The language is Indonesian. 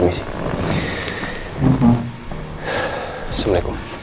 masa masih nentanya